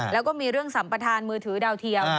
แล้วก็มีเรื่องสัมประธานมือถือดาวเทียม